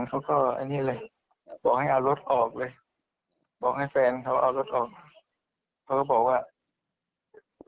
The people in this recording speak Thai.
ก็เลยให้ลูกไปกดออดอยู่หน้าบ้าน